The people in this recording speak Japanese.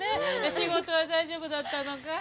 仕事は大丈夫だったのかい？